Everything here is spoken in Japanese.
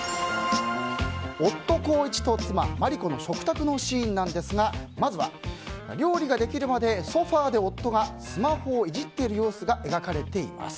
夫・孝一と妻・真理子の食卓のシーンなんですがまずは料理ができるまでソファで夫がスマホをいじっている様子が描かれています。